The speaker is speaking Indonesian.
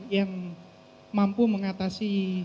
yang mampu mengatasi